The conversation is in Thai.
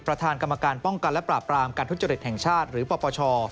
ประธานกรรมการป้องกันและปราบรามการทุจริตแห่งชาติหรือปปช